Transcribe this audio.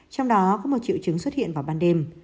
trong đó có một triệu chứng xuất hiện vào ban đêm